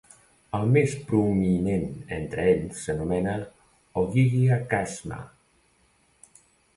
El més prominent entre ells s'anomena "Ogygia Chasma".